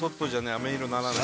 飴色にならない。